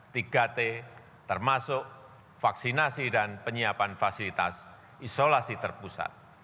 tiga t termasuk vaksinasi dan penyiapan fasilitas isolasi terpusat